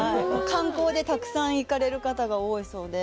観光でたくさん行かれる方が多いそうで。